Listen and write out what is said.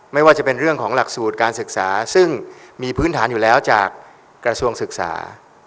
ไม่ว่าจะเป็นเรื่องของหลักสูตรการศึกษาซึ่งมีพื้นฐานอยู่แล้วจากกระทรวงศึกษา